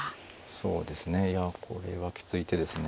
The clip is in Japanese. そうですねいやこれはきつい手ですね。